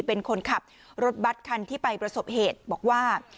เป็นคนขับรถบัตรคันที่ไปประสบเหตุบอกว่า